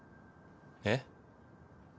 えっ？